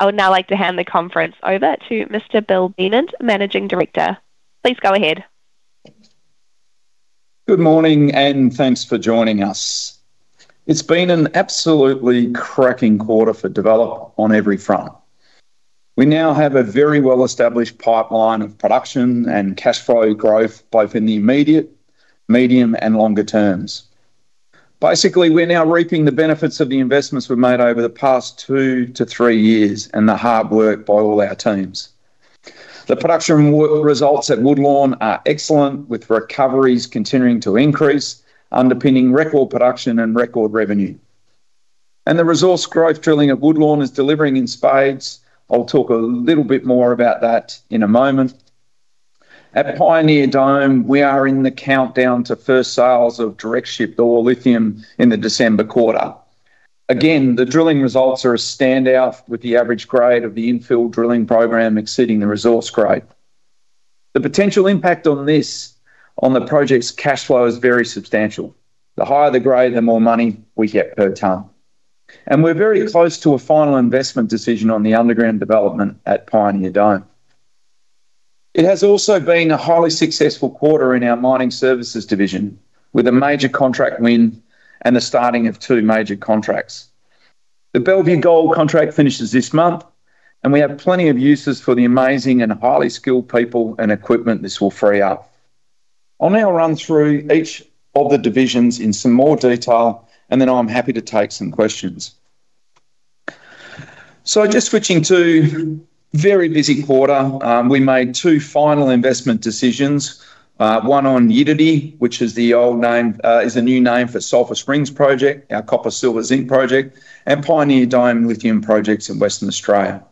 I would now like to hand the conference over to Mr. Bill Beament, Managing Director. Please go ahead. Good morning, thanks for joining us. It's been an absolutely cracking quarter for Develop on every front. We now have a very well-established pipeline of production and cash flow growth, both in the immediate, medium and longer terms. Basically, we're now reaping the benefits of the investments we've made over the past two to three years and the hard work by all our teams. The production results at Woodlawn are excellent, with recoveries continuing to increase, underpinning record production and record revenue. The resource growth drilling at Woodlawn is delivering in spades. I'll talk a little bit more about that in a moment. At Pioneer Dome, we are in the countdown to first sales of direct ship ore lithium in the December quarter. Again, the drilling results are a standout, with the average grade of the infill drilling program exceeding the resource grade. The potential impact on this, on the project's cash flow, is very substantial. The higher the grade, the more money we get per tonne. We're very close to a final investment decision on the underground development at Pioneer Dome. It has also been a highly successful quarter in our mining services division, with a major contract win and the starting of two major contracts. The Bellevue Gold contract finishes this month, and we have plenty of uses for the amazing and highly skilled people and equipment this will free up. I'll now run through each of the divisions in some more detail, and then I'm happy to take some questions. Just switching to very busy quarter. We made two final investment decisions. One on Yitirrti, which is a new name for Sulphur Springs project, our copper-silver-zinc project, and Pioneer Dome Lithium projects in Western Australia.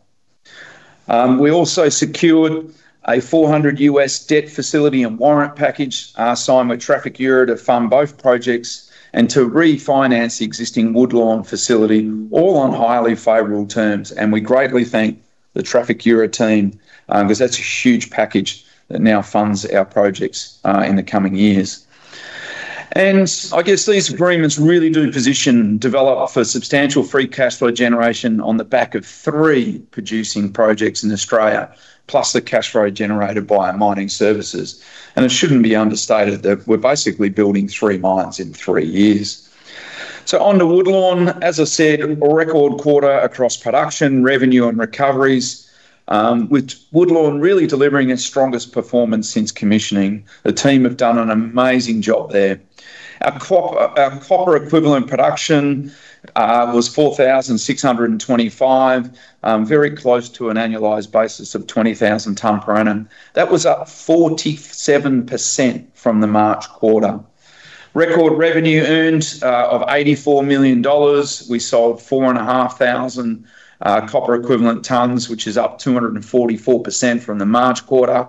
We also secured a $400 U.S. debt facility and warrant package, signed with Trafigura to fund both projects and to refinance the existing Woodlawn facility, all on highly favorable terms. We greatly thank the Trafigura team, because that's a huge package that now funds our projects in the coming years. I guess these agreements really do position Develop for substantial free cash flow generation on the back of three producing projects in Australia, plus the cash flow generated by our mining services. It shouldn't be understated that we're basically building three mines in three years. Onto Woodlawn. As I said, a record quarter across production, revenue and recoveries, with Woodlawn really delivering its strongest performance since commissioning. The team have done an amazing job there. Our copper equivalent production was 4,625. Very close to an annualized basis of 20,000 tonne per annum. That was up 47% from the March quarter. Record revenue earned of 84 million dollars. We sold 4,500 CuEq tonnes, which is up 244% from the March quarter.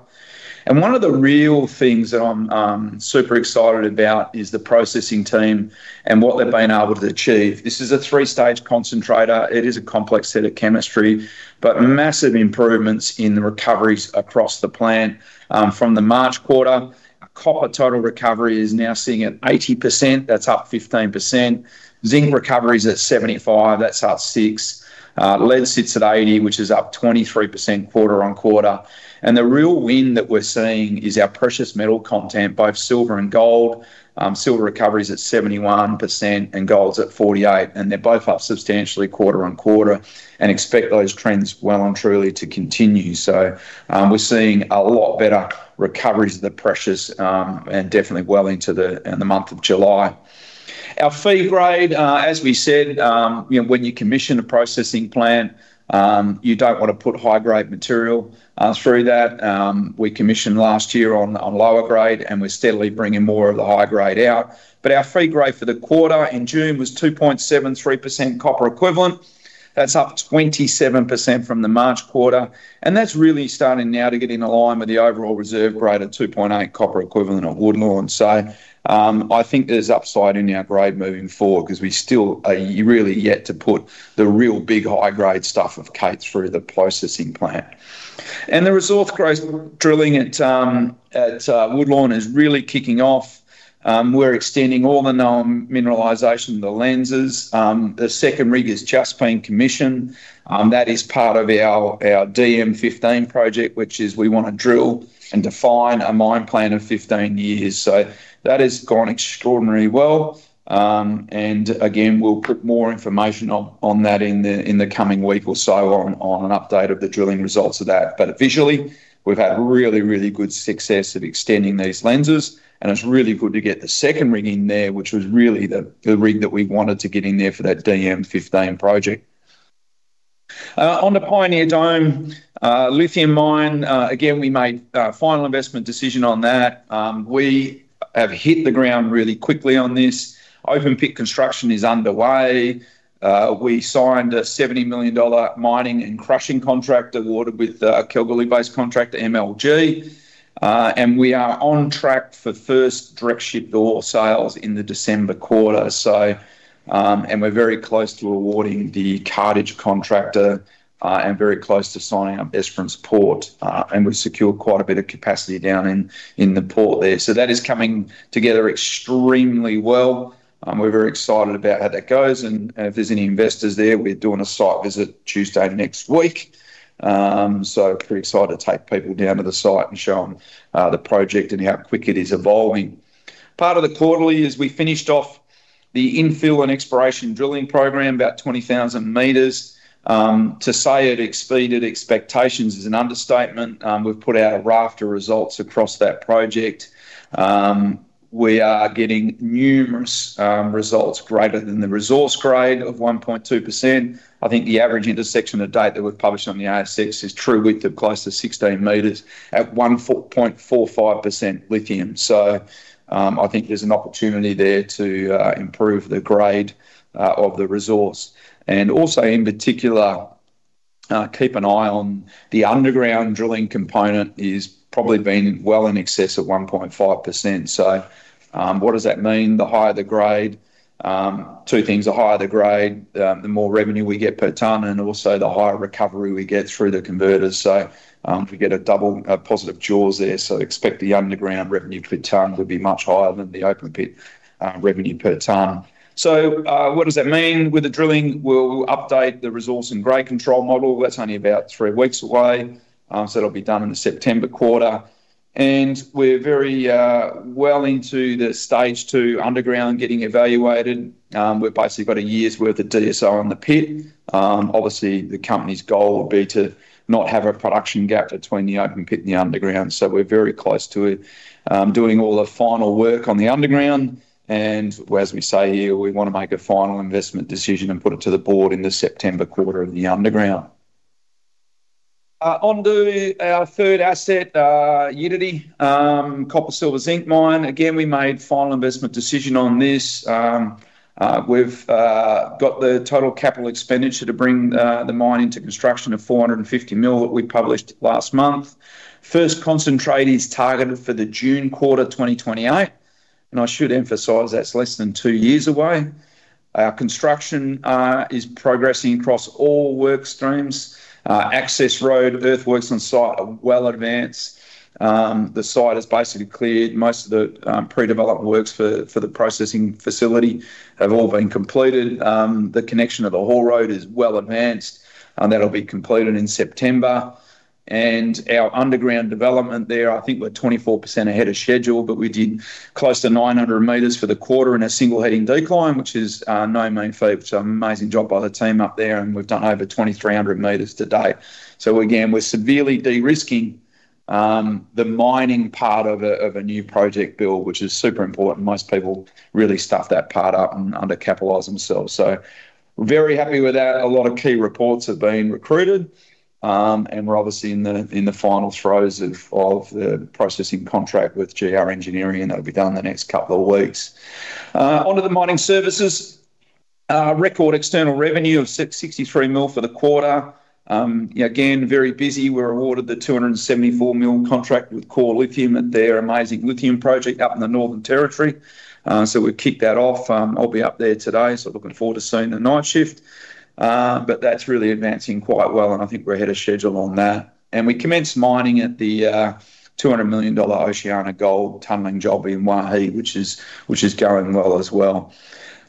One of the real things that I'm super excited about is the processing team and what they've been able to achieve. This is a three-stage concentrator. It is a complex set of chemistry, but massive improvements in the recoveries across the plant. From the March quarter, our copper total recovery is now sitting at 80%. That's up 15%. Zinc recovery is at 75%, that's up 6%. Lead sits at 80%, which is up 23% quarter-on-quarter. The real win that we're seeing is our precious metal content, both silver and gold. Silver recovery's at 71% and gold's at 48%, and they're both up substantially quarter-on-quarter. Expect those trends well and truly to continue. We're seeing a lot better recoveries of the precious and definitely well into the month of July. Our feed grade, as we said, when you commission a processing plant, you don't want to put high grade material through that. We commissioned last year on lower grade, and we're steadily bringing more of the high grade out. Our feed grade for the quarter in June was 2.73% copper equivalent. That's up 27% from the March quarter. That's really starting now to get in line with the overall reserve grade of 2.8 copper equivalent at Woodlawn. I think there's upside in our grade moving forward because we still are really yet to put the real big high-grade stuff of Cade's through the processing plant. The resource growth drilling at Woodlawn is really kicking off. We're extending all the known mineralization of the lenses. The second rig has just been commissioned. That is part of our DM15 project, which is we want to drill and define a mine plan of 15 years. That has gone extraordinarily well. Again, we'll put more information on that in the coming week or so on an update of the drilling results of that. Visually, we've had really, really good success at extending these lenses and it's really good to get the second rig in there, which was really the rig that we wanted to get in there for that DM15 project. On the Pioneer Dome lithium mine. Again, we made a final investment decision on that. We have hit the ground really quickly on this. Open pit construction is underway. We signed a 70 million dollar mining and crushing contract awarded with a Kalgoorlie-based contractor, MLG. We are on track for first direct ship ore sales in the December quarter. We're very close to awarding the cartage contractor, and very close to signing up Esperance Port. We've secured quite a bit of capacity down in the port there. That is coming together extremely well. We're very excited about how that goes. If there's any investors there, we're doing a site visit Tuesday next week. Pretty excited to take people down to the site and show them the project and how quick it is evolving. Part of the quarterly is we finished off the infill and exploration drilling program, about 20,000 m. To say it exceeded expectations is an understatement. We have put out a raft of results across that project. We are getting numerous results greater than the resource grade of 1.2%. I think the average intersection to date that we have published on the ASX is true width of close to 16 m at 1.45% lithium. I think there is an opportunity there to improve the grade of the resource. Also in particular, keep an eye on the underground drilling component is probably been well in excess of 1.5%. What does that mean? The higher the grade, two things. The higher the grade, the more revenue we get per ton and also the higher recovery we get through the converter. We get a double positive jaws there. Expect the underground revenue per tonne to be much higher than the open pit revenue per tonne. What does that mean? With the drilling, we will update the resource and grade control model. That is only about three weeks away, it will be done in the September quarter. We are very well into the stage 2 underground getting evaluated. We have basically got a year's worth of DSO on the pit. Obviously, the company's goal will be to not have a production gap between the open pit and the underground, we are very close to it. Doing all the final work on the underground. As we say here, we want to make a final investment decision and put it to the board in the September quarter of the underground. Onto our third asset, Yitirrti, copper, silver, zinc mine. Again, we made final investment decision on this. We have got the total capital expenditure to bring the mine into construction of 450 million that we published last month. First concentrate is targeted for the June quarter 2028, and I should emphasize that is less than two years away. Our construction is progressing across all work streams. Access road, earthworks on site are well advanced. The site has basically cleared most of the pre-development works for the processing facility have all been completed. The connection of the haul road is well advanced. That will be completed in September. Our underground development there, I think we are 24% ahead of schedule, but we did close to 900 m for the quarter in a single heading decline, which is no mean feat. Amazing job by the team up there, and we have done over 2,300 m to date. We are severely de-risking the mining part of a new project build, which is super important. Most people really stuff that part up and under-capitalize themselves. We are very happy with that. A lot of key roles have been recruited. We are obviously in the final throes of the processing contract with GR Engineering. That will be done in the next couple of weeks. Onto the mining services. Record external revenue of 63 million for the quarter. Again, very busy. We were awarded the 274 million contract with Core Lithium at their amazing lithium project up in the Northern Territory. We've kicked that off. I'll be up there today, looking forward to seeing the night shift. That's really advancing quite well and I think we're ahead of schedule on that. We commenced mining at the 200 million dollar OceanaGold tunneling job in Waihi, which is going well as well.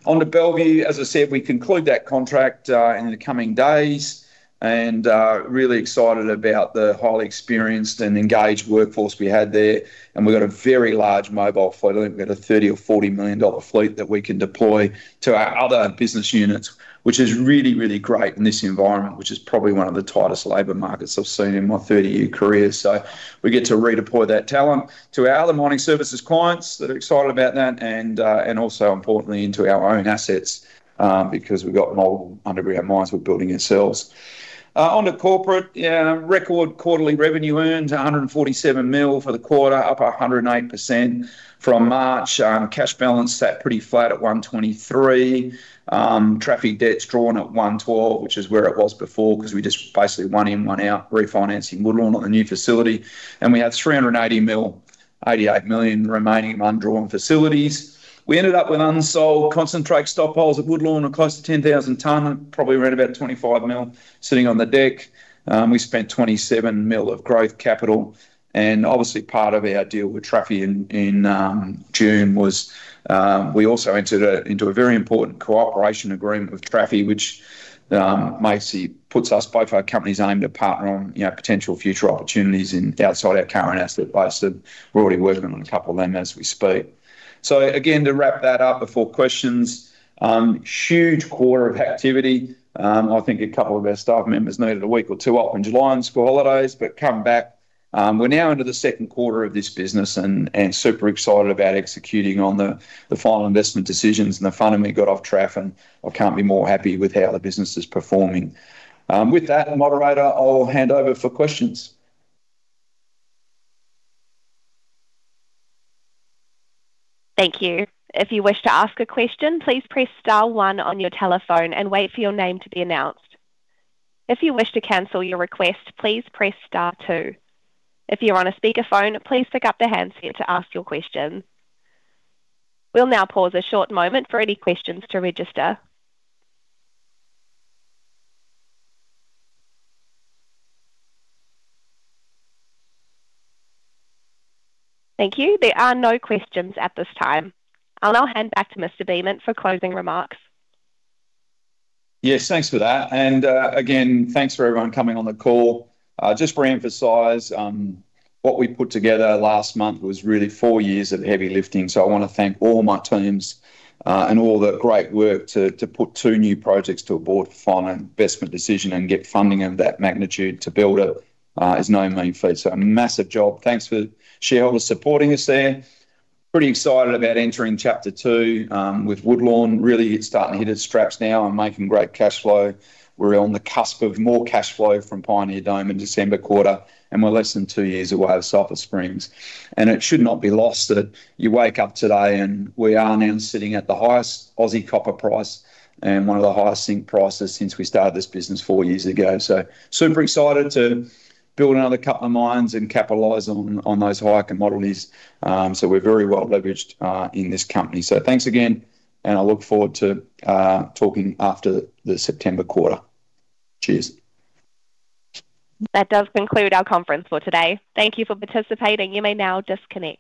Onto Bellevue. As I said, we conclude that contract in the coming days and really excited about the highly experienced and engaged workforce we have there. We've got a very large mobile fleet. I think we've got an 30 million or 40 million dollar fleet that we can deploy to our other business units, which is really, really great in this environment, which is probably one of the tightest labor markets I've seen in my 30-year career. We get to redeploy that talent to our other mining services clients that are excited about that and also importantly, into our own assets, because we've got mobile underground mines we're building ourselves. Onto corporate. Record quarterly revenue earned, 147 million for the quarter, up 108% from March. Cash balance sat pretty flat at 123 million. Trafigura debt's drawn at 112 million, which is where it was before because we just basically one in, one out refinancing Woodlawn at the new facility. We have 380 million, 88 million remaining undrawn facilities. We ended up with unsold concentrate stockpiles at Woodlawn of close to 10,000 tons, probably around about 25 million sitting on the deck. We spent 27 million of growth capital and obviously part of our deal with Trafigura in June was, we also entered into a very important cooperation agreement with Trafigura, which basically puts us, both our companies aim to partner on potential future opportunities in outside our current asset base. We're already working on a couple of them as we speak. Again, to wrap that up before questions, huge quarter of activity. I think a couple of our staff members needed a week or two off in July and school holidays, but come back. We're now into the second quarter of this business and super excited about executing on the final investment decisions and the funding we got off Trafigura. I can't be more happy with how the business is performing. With that, moderator, I'll hand over for questions. Thank you. If you wish to ask a question, please press star one on your telephone and wait for your name to be announced. If you wish to cancel your request, please press star two. If you're on a speakerphone, please pick up the handset to ask your question. We'll now pause a short moment for any questions to register. Thank you. There are no questions at this time. I'll now hand back to Mr. Beament for closing remarks. Yes, thanks for that. Again, thanks for everyone coming on the call. Just to reemphasize, what we put together last month was really four years of heavy lifting. I want to thank all my teams, and all the great work to put two new projects to a board for final investment decision and get funding of that magnitude to build it is no mean feat. A massive job. Thanks for shareholders supporting us there. Pretty excited about entering chapter two with Woodlawn. Really it's starting to hit its straps now and making great cash flow. We're on the cusp of more cash flow from Pioneer Dome in December quarter, and we're less than two years away of Sulphur Springs. It should not be lost that you wake up today and we are now sitting at the highest Aussie copper price and one of the highest zinc prices since we started this business four years ago. Super excited to build another couple of mines and capitalize on those high commodities. We're very well leveraged in this company. Thanks again, and I look forward to talking after the September quarter. Cheers. That does conclude our conference for today. Thank you for participating. You may now disconnect.